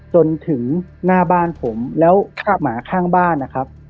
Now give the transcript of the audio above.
จนถึงหน้าบ้านผมแล้วหมาข้างบ้านนะครับ